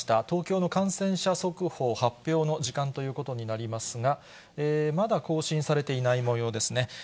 東京の感染者速報発表の時間ということになりますが、まだ更新されていないもようですね。